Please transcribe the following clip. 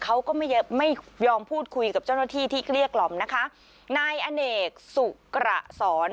เขาก็ไม่ยอมพูดคุยกับเจ้าหน้าที่ที่เกลี้ยกล่อมนะคะนายอเนกสุกระสอน